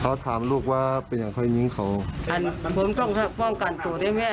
เขาถามลูกว่าเป็นอย่างค่อยยิงเขาอันผมต้องป้องกันตัวด้วยแม่